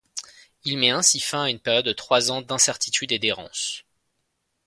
Il met ainsi fin à une période de trois ans d'incertitude et d'errance.